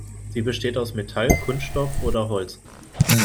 Sie besteht aus Metall, Kunststoff oder Holz.